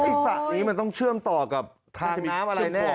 สระนี้มันต้องเชื่อมต่อกับทางน้ำอะไรแน่